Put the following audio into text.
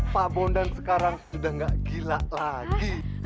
pak bondan sekarang sudah tidak gila lagi